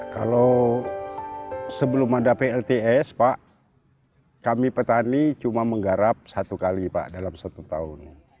kalau sebelum ada plts pak kami petani cuma menggarap satu kali pak dalam satu tahun